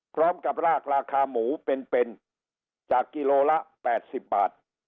พร้อมกับรากราคาหมูเป็นจากกิโลละ๘๐บาท